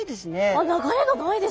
あっ流れがないです！